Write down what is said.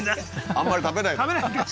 あんまり食べないんだ